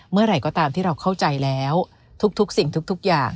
เมื่อไหร่ก็ตามที่เราเข้าใจแล้วทุกสิ่งทุกอย่าง